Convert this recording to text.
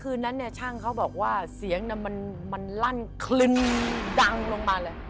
คืนนั้นเนี่ยช่างเขาบอกว่าเสียงมันลั่นคลึงดังลงมาเลย